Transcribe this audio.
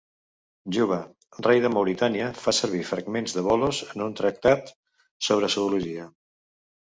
Juba, rei de Mauritània, fa servir fragments de Bolos en un tractat sobre zoologia.